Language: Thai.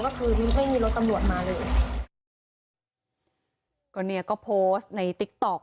คืนนี้ไม่มีรถตำรวจมาเลยก็เนี่ยก็โพสต์ในติ๊กต๊อก